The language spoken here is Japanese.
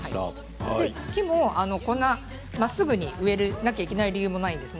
木もまっすぐに植えなければいけない理由もないんです。